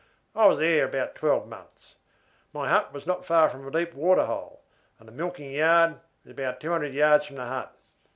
I was there about twelve months. My hut was not far from a deep waterhole, and the milking yard was about two hundred yards from the hut.